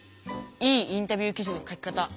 いいインタビュー記事の書き方教えてよ。